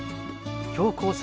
標高差